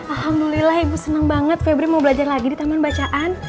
alhamdulillah ibu senang banget febri mau belajar lagi di taman bacaan